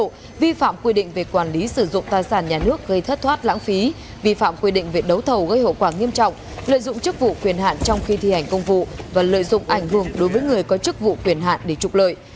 hối lộ vi phạm quy định về quản lý sử dụng tài sản nhà nước gây thất thoát lãng phí vi phạm quy định về đấu thầu gây hậu quả nghiêm trọng lợi dụng chức vụ quyền hạn trong khi thi hành công vụ và lợi dụng ảnh hưởng đối với người có chức vụ quyền hạn để trục lợi